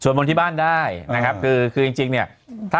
ศุษย์มนต์ที่บ้านได้นะครับ